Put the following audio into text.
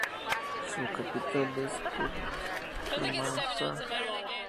Su capital es Kermanshah.